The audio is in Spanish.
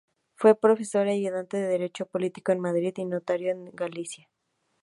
Fue profesor ayudante de Derecho político en Madrid y notario en Galicia.